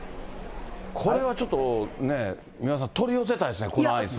これはちょっとね、三輪さん、取り寄せたいですね、このアイスは。